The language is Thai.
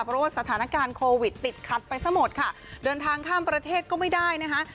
เพราะว่าสถานการณ์โควิดติดขัดไปซะหมดค่ะเดินทางข้ามประเทศก็ไม่ได้นะคะ